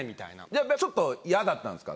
やっぱりちょっと嫌だったんですか？